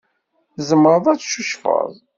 Tzemreḍ ad tcucfeḍ.